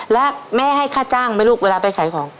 แล้วแม่ให้ค่าจ้างไหมลูกเวลาไปขายของ